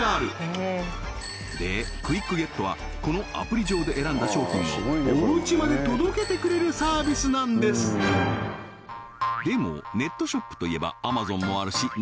でクイックゲットはこのアプリ上で選んだ商品をおうちまで届けてくれるサービスなんですでもネットショップといえばＡｍａｚｏｎもあるし